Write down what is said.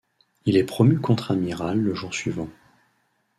Il est promu contre-amiral le jour suivant.